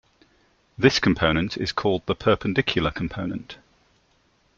This component is called the perpendicular component.